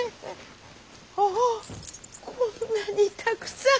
ああこんなにたくさん！